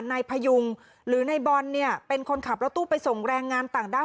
นายพยุงหรือนายบอลเนี่ยเป็นคนขับรถตู้ไปส่งแรงงานต่างด้าว